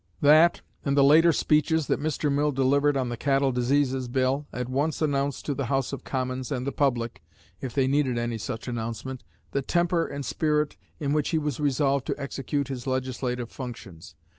That, and the later speeches that Mr. Mill delivered on the Cattle Diseases Bill, at once announced to the House of Commons and the public, if they needed any such announcement, the temper and spirit in which he was resolved to execute his legislative functions.